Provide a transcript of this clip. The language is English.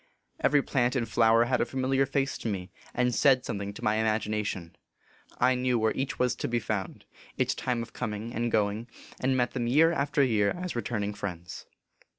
Every plant and flower had a familiar face to me, and said something to my imagination. I knew where each was to be found, its time of coming and going, and met them year after year as returning friends.